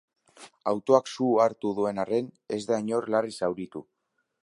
Autoak su hartu duen arren, ez da inor larri zauritu.